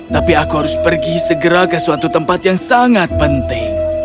tapi aku harus pergi segera ke suatu tempat yang sangat penting